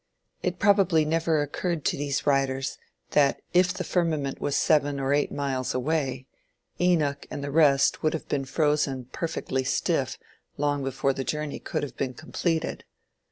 It probably never occurred to these writers that if the firmament was seven or eight miles away, Enoch and the rest would have been frozen perfectly stiff long before the journey could have been completed.